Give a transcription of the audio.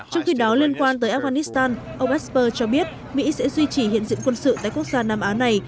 trong khi đó liên quan tới afghanistan ông esper cho biết mỹ sẽ duy trì hiện diện quân sự tại quốc gia nam á này